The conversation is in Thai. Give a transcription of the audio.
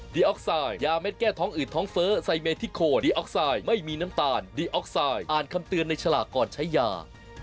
ออกไซด์ยาเม็ดแก้ท้องอืดท้องเฟ้อไซเมทิโคดีออกไซด์ไม่มีน้ำตาลดีออกไซด์อ่านคำเตือนในฉลากก่อนใช้ยา